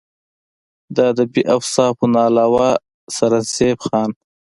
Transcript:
د ادبي اوصافو نه علاوه سرنزېب خان